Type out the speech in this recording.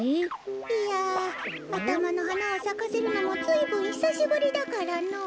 いやあたまのはなをさかせるのもずいぶんひさしぶりだからのぉ。